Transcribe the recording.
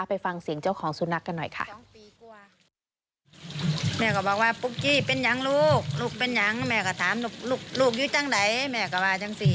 ไปฟังเสียงเจ้าของสุนัขกันหน่อยค่ะ